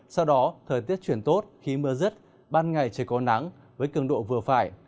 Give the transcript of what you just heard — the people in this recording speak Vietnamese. sau đó thời tiết chuyển tốt khi mưa rứt ban ngày trời có nắng với cường độ vừa phải